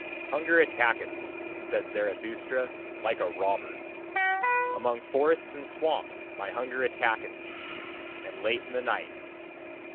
"Hunger attacketh me," said Zarathustra, "like a robber. Among forests and swamps my hunger attacketh me, and late in the night.